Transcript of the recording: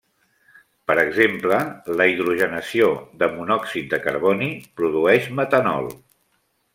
Per exemple, la hidrogenació de monòxid de carboni produeix metanol.